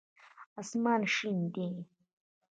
آسمان شين دی.